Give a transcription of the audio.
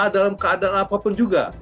dalam keadaan apapun juga